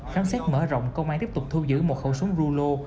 khám xét mở rộng công an tiếp tục thu giữ một khẩu súng rulo